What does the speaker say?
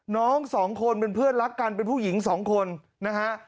น้องสองคนเป็นเพื่อนรักกันเป็นผู้หญิงสองคนนะฮะ